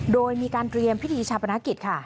โดยมีการเตรียมพิธีชาปนกิจค่ะ